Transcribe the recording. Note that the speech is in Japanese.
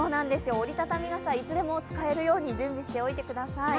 折りたたみ傘、いつでも使えるように準備しておいてください。